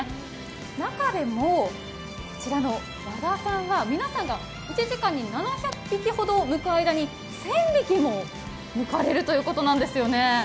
中でもこちらの和田さんは、皆さんが１時間に７００匹ほどむく間に１０００匹もむかれるということなんですよね。